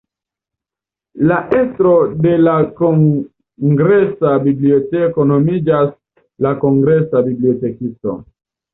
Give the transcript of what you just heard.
La estro de la Kongresa Biblioteko nomiĝas la Kongresa Bibliotekisto.